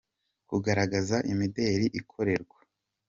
kugaragaza imideli ikorerwa.